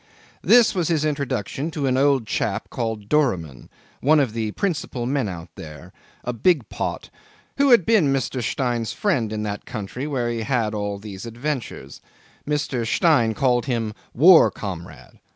'This was his introduction to an old chap called Doramin one of the principal men out there a big pot who had been Mr. Stein's friend in that country where he had all these adventures. Mr. Stein called him "war comrade."